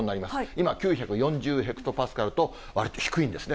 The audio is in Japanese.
今、９４０ヘクトパスカルと、わりと低いんですね。